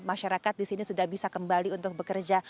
masyarakat di sini sudah bisa kembali untuk bekerja